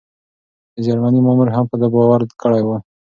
د جرمني مامور هم په ده باور کړی و.